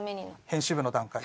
編集部の段階。